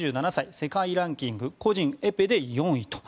世界ランキング個人エペで４位と。